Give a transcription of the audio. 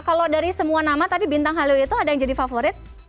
kalau dari semua nama tadi bintang halo itu ada yang jadi favorit